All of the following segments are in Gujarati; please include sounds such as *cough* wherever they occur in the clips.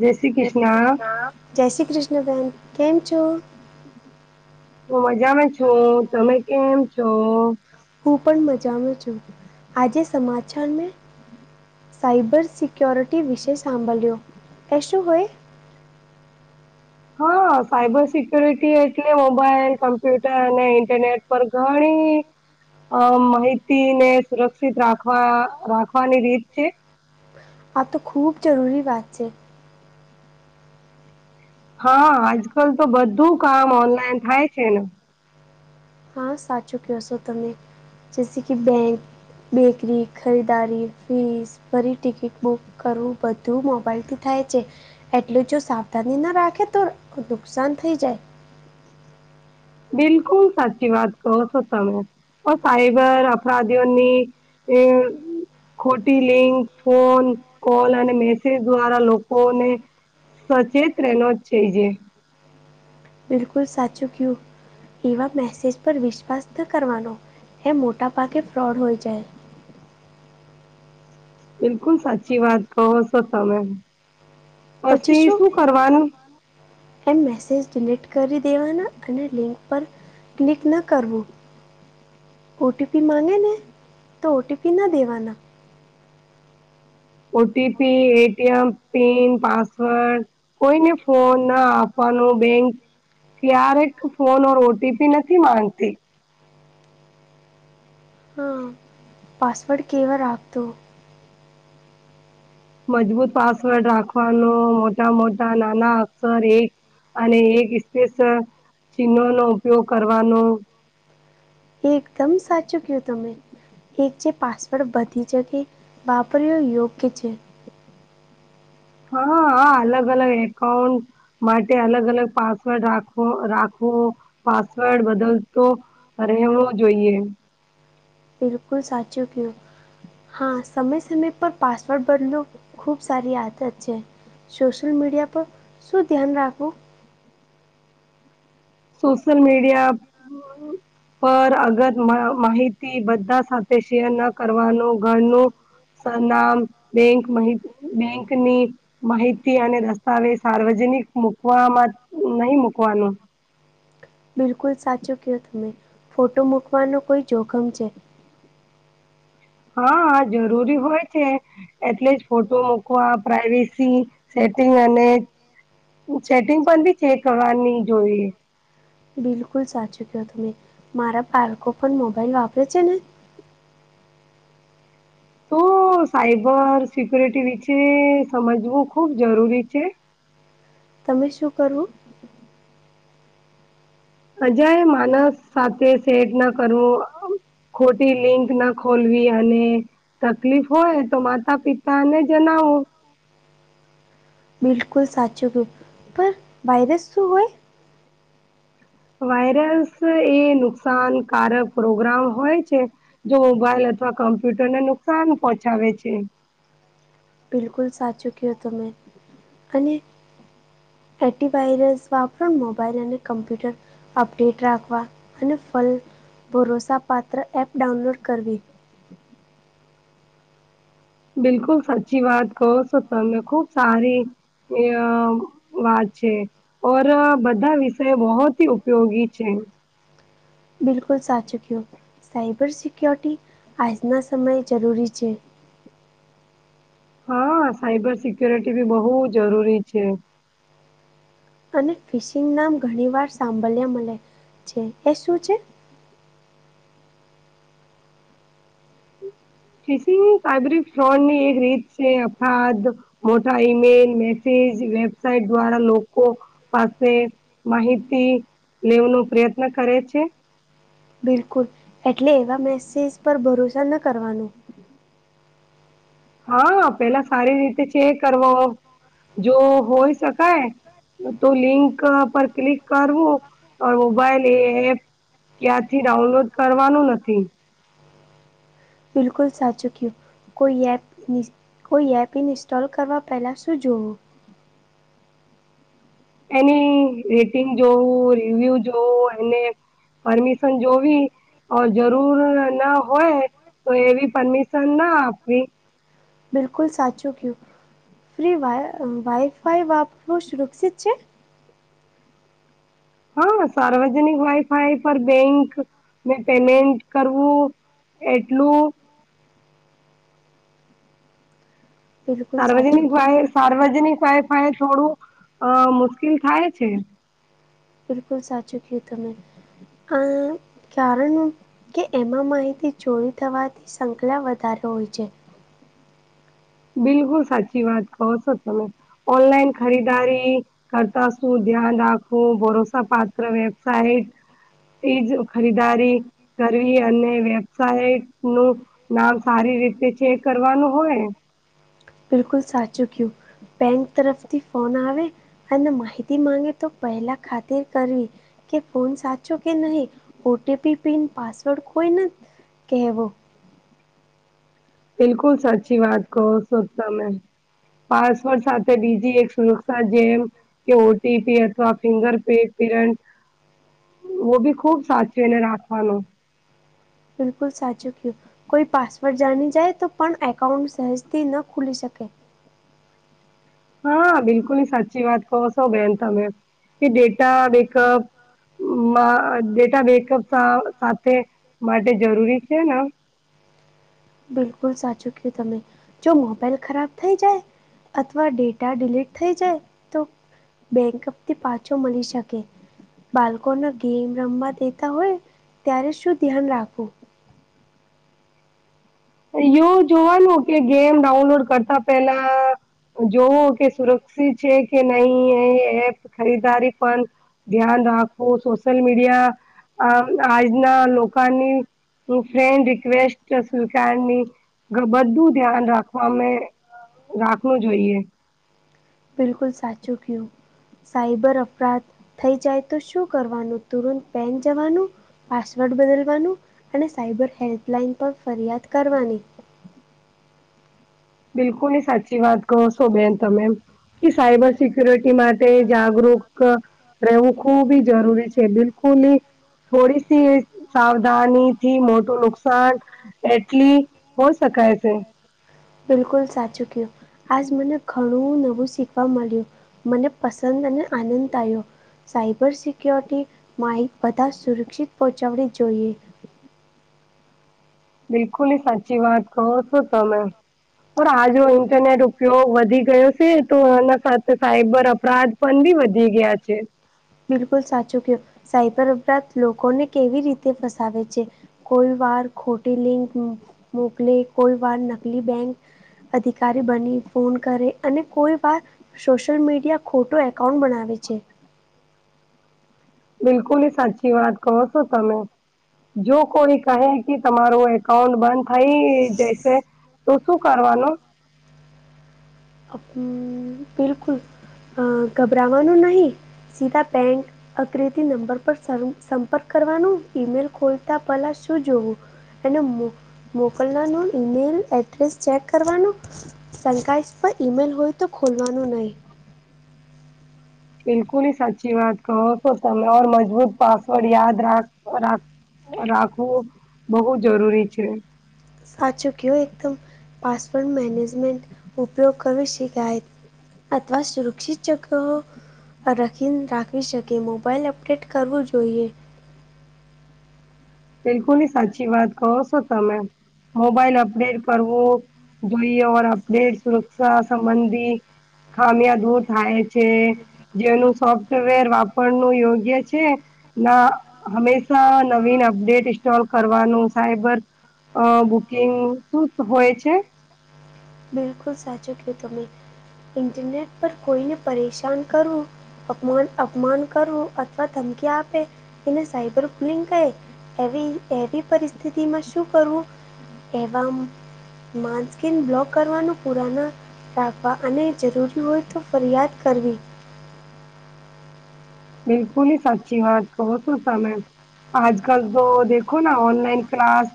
જય શ્રી કૃષ્ણ. જય શ્રી કૃષ્ણબહેન કેમ છો. હું મજામાં છું તમે કેમ છો. હું પણ મજામાં છું આજે સમાચાર મે સાયબર સિક્ય્યોરિટી વિશે સાંભળ્યો કશું હોય. હા સાયબર સિક્ય્યોરિટી એટલે મોબાઈલ કમ્પ્યુટર અને ઇન્ટરનેટ. પર ઘણી અ માહિતીને સુરક્ષિત રાખવા રાખવાની રીત છે, આ તો ખૂબ જરૂરી વાત છે, હા આજ કલ તો બધું કામ ઓનલાઈન થાય છે, ને હા સાચું કશો તમે જસે કે બેંક. બેકરી ખરીદારી ફીસ ફરી ટિકિટ બુક કરવું બધું મોબાઈલથી થાય છે, એટલેું જો સાવધાની ન રાખે તો નુકસાન થઈ જાય. બિલકુલ સાચી વાત કહો છો તમે ઓ સાઈબર અપરાધીઓની એ *unintelligible* ખોટી લિંક ફોન કોલ અને મેસેજ દ્વારા લોકોને સચેત રહે ન જ છે, જે બિલકુલ સાચું ક્ય્યું. એવા મેસેજ પર વિશ્વાસ ન કરવાનો એ મોટાભાગે ફ્રોડ હોય જાય. બિલકુલ સાચી વાત કહો છો તમે. પછી શું. એમ મેસેજ ડિલેક્ટ કરી દેવાના અને લિંક પર ક્લિક ન કરવું. ઓટી પી માગે ને તો ઓટી પી ના દેવાના ઓટીપી એટીએમ પન પાસવર્ડ કોઈને ફોન ના આપવાનો બેંક ક્યારેક ફોન ર ઓટીપી નથી માંગતી. હા. પાસવર્ડ કેવા રાખતો. મજબૂત પાસવર્ડ રાખવાનો મોટા મોટા ના અક્ષર એક અને એક સ્પેસ ચિહનો નો ઉપયોગ કરવાનો. એ એકદમ સાચું કયું તમે. એક જે પાસવર્ડ બધી જગ વાપર્યું યોગ્ય છે, હા અલગ અલગ એકકાઉંન્ટ માટે અલગ અલગ પાસવર્ડ રાખવ રાખવો પાસવર્ડ બદલતો અરે એમું જોઈએ. બિલકુલ સાચું કહો. હા સમય સમય પર પાસવર્ડ બદલોું ખૂબ સારી આદત છે, સોશિલ મીડિયા પર શું ધ્યાન રાખવું. સોશલ મીડિયા પર અગત માહિતી બધા સાથે શેર ન કરવાનું ઘનું સર નામ બેંકહિત બેંકની માહિતી અને દસ્તાવેજ સાર્વજનિક મૂકવામાં નહી મૂકવાનું. બિલકુલ સાચું કહો તમે ફોટો મૂકવાનું કોઈ જોખમ છે, હા જરૂરી હોય તે. એટલે જ ફોટો મુકવા પ્રાઈવેસી સેટિંગ અને સેટિંગ પણ બી ચેક કરવાની જોઈએ. બિલકુલ સાચું કહો તમે મારા બાળકો પણ મોબાઈલ વાપરે છે, ને તો સાયબર સિક્યોરિટી વિશે સમજવું ખૂબ જરૂરી છે, તમે શું કરવું *inaudible* અજય માનસ સાથે સેટ ન કરવું ખોટી લિંક ના ખોલવી અને તકલીફ હોય તો માતા પિતા ને જનાવો બિલકુલ સાચું ગયું પણ વાયરસ શું હોય વાયરસ એ નુકસાનકારક પ્રોગ્રામ હોય છે, જો મોબાઈલ અથવા કમ્પ્યુટરને નુકસાન પહોંચાવે છે બિલકુલ સાચું કયો તમેં અને એન્ટીવાયરસ વાપરણ મોબાઈલ અને કમ્પ્યુટર અપડેટ રાખવા અને ફલ ભરોસા પાત્ર એપ ડાઉનલોડ કરવી બિલકુલ સાચી વાત કહો છો તમે ખુબ સારી એ વાત છે ઓર બધા વિષય બહોત ઉપયોગી છે બિલકુલ સાચું કિયો સાયબર સિક્યોરિટી આજના સમયે જરૂરી છે હા સાઈબર સિક્ય્યોરીટી ભી બહુ જરૂરી છે અને ફિશિંગ નામ ઘણી વાર સાંભળ્યા મળે છે એ શું છે ફિશિંગ સાબરી ફ્રોન ની એક રીત છે અફાદ મોટા ઈમેલ મેસેજ વેબસાઇટ દ્વારા લોકો પાસે માહિતી લેવનો પ્રયત્ન કરે છે બિલકુલ એટલે એવા મેસેજ પર ભરોસા ન કરવાનું હા પેલા સારી રીતે ચેક કરવો જો હોય શકાય તો લિંક પર ક્લિક કરવું મોબાઈલ એ એપ ક્યાંથી ડાઉનલોડ કરવાનું નથી બિલકુલ સાચું કહ્યું કોઈ એપ કોઈ એપ ઇન્સ્ટોલ કરવા પહેલાં શું જુઓ એની રેટિંગ જોવું રિવ્યુ જોવું એને પરમિશન જોવી ઓર જરૂર ના હોય તો એવી પરમિશન ના આપવી બિલકુલ સાચું કીધુ ફ્રી વા વાઇ ફાઈ વાપરુ સુરક્ષિત છે હા સાર્વજનિક વાઈફાઈ પર બેંક મે પેમેન્ટ કરવું એટલું બિલકુલ સાચું સાર્વજનિક કયું વાય સાર્વજનિક વાયફાય એ થોડું અ મુશ્કેલ થાય છે બિલકુલ સાચુ કીધુ તમે અ કરણ કે એમાં માહિતી ચોરી થવાથી સંખલા વધારે હોય છે બિલકુલ સાચી વાત કહો છો તમે ઓનલાઈન ખરીદારી કરતા શું ધ્યાન રાખવું ભરોસા પાત્ર વેબસાઇટ તેજ ખરીદારી કરવી અને વેબસાયટ નું નામ સારી રીતે છે કરવાનું હોય બિલકુલ સાચું કીધુ બેંક તરફથી ફોન આવે અને માહિતી માગે તો પહેલાં ખાત્રી કરવી કે ફોન સાચો કે નહી ઓટીપી પિન પાસવર્ડ કોઈને કહેવો બિલકુલ સાચી વાત કહો છો તમેં પાસવોર્ટ સાથે બીજી એક સુરક્ષા જેમ કે ઓ ટીપી અથવા ફિંગર પ્રિ પ્રિન્ટ ઓ બી ખુબ સાચવી ને રાખવાનું બિલકુલ સાચું કીધું કોઈ પાસવર્ડ જાણી જાય તો પણ એકાઉન્ટ સહેજથી ન ખુલી શકે હા બિલકુલ ની સાચી વાત કહો સો બેન તમે કે ડેટા બેકઅપ મા ડેટા બેકઅપ સ સાથે માટે જરૂરી છે ના બિલકુલ સાચું કીધુ તમે, જો મોબાઈલ ખરાબ થઈ જાય અથવા ડેટા ડિલીટ થઈ જાય, તો બેંક અપ થી પાછો મળી શકે. બાળકોના ગેમ રમવા દેતા હોય, ત્યારે શું ધ્યાન રાખવું એવ જોવાનું કે ગેમ ડાઉનલોડ કરતા પેલા. જોવો કે સુરક્ષિત છે કે નહી એ એ ખરીદારી પણ. ધ્યાન રાખવું સોશિયલ મીડિયા આ આજના લોકની ફ્રેન્ડ રિક્વેસ્ટ ની બધું ધ્યાન રાખવામે રાખવું જોઈએ. બિલકુલ સાચું કું, સાઈબર અફરાધ થઈ જાય તો શું કરવાનું તુરંત પહેન જવાનું પાસવર્ડ બદલવાનું અને સાયબર હેલ્પલાઇન પણ ફરિયાદ કરવાની. બિલકુલ ની સાચી વાત કહો છો બેન તમે. કે સાયબર સિક્ય્યોરિટી માટે જાગૃક રહેવું ખૂબ જરૂરી છે બિલકુલ ની થોડી સી સાવધાની થી મોટું નુકસાન એટલી હો શકાય છે. બિલકુલ સાચુંક્યું. આજ મને ઘણું નવું શીખવા મળ્યું મને પસંદ અને આનંદ આવ્યો. સાયબર સિક્યોરિટી માઇ બધા સુરક્ષિત પહોંચાડવી જોઈએ. બિલકુલ ની સાચી વાત કહો શું તમે. પણ આ જો ઇન્ટરનેટ ઉપયોગ વધી ગયો છે તો એના સાથે સાઈબર અપરાધ ફન બી વધી ગયા છે. બિલકુલ સાચું કયો સાયબર અપરાધ લોકોને કેવી રીતે ફસાવે છે. કોઈ વાર ખોટી લિંક મોકલે કોઈ વાર નકલી બેંક અધિકારી બની ફોન કરે અને કોઈ વાર સોશિયલ મીડિયા ખોટો એકાઉન્ટ બનાવે છે. બિલકુલ સાચી વાત કહો છો તમે. જો કોઈ કહે કે તમારું એકાઉન્ટ બંધ થઈ જશે તો શું કરવાનું. અ બિલકુલ. અ, ગભરાવાનું નહીં સીધા બેંક અગ્રે નંબર પર સંપર્ક કરવાનું ઈમેલ ખોલતા પહેલા શું જોવું. અને મો મોકલનાર ન ઈમેલ એડ્રેસ ચેક કરવાનો. શંકાસ્ પર ઈમેલ હોય તો ખોલવાનું નહી. બિલકુલ સાચી વાત કહો છો તમેર મજબૂત પાસવર્ડ યાદ રાખ રાખ રાખવું બહુ જરૂરી છે. સાચું કું એકદમ પાસવર્ડ મેનેજમેન્ટ ઉપયોગ કરવી શકાય. અથવા સુરક્ષિત જગ રાખીને રાખવી શકીએ મોબાઈલ અપડેટ કરવું જોઈએ બિલકુલ ની સાચી વાત કહો છો તમે મોબાઈલ અપડેટ કરવું જોઈએર અપડેટ સુરક્ષા સંબંધી ખામિયા દૂર થાય છે. જેનું સોફ્ટવેર વાપરનું યોગ્ય છે. ના હમેશા નવીન ડેટ ઇન્સ્ટોલ કરવાનું સાયબર બુકિંગ શું હોય છે. બિલકુલ સાચો ક તમે ઇન્ટરનેટ પર કોઈને પરેશાન કરો. અપમાન અપમાન કરવું અથવા ધમકી આપે તેને સાયબર ફુલિંગ કહે. એવી એવી પરિસ્થિતિ માં શું કરવું? એ સ્કીન બ્લોક કરવાનું. પુરાના રાખવા અને જરૂરી હોય તો ફરિયાદ કરવી બિલકુલી સાચી વાત કહો છું સમે આજ કલ તો દેખો ના ઓનલાઈન ક્લાસ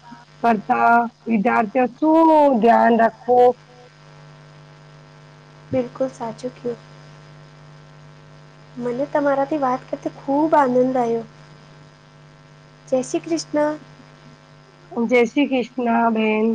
કરતા વિદ્યાર્થીઓ શું ધ્યાન રાખવું બિલકુલ સાચું કો મને તમારાથી વાત કરતા ખૂબ આનંદ આયો જય શ્રી કૃષ્ણ જય શ્રી કૃષ્ણ બેહેન